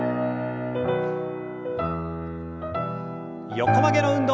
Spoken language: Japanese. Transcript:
横曲げの運動。